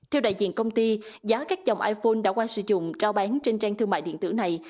theo đại diện công ty giá các dòng iphone đã qua sử dụng trao bán trên trang thương mại điện tử này